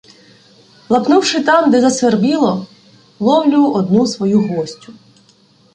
Лапнувши там, де засвербіло, ловлю одну свою "гостю".